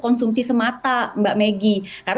konsumsi semata mbak maggie